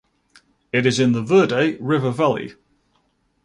It is in the Verde River valley.